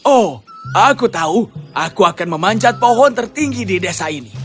oh aku tahu aku akan memanjat pohon tertinggi di desa ini